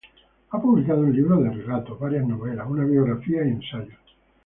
Ha publicado un libros de relatos, varias novelas, una biografía y ensayos.